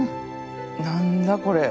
何だこれ。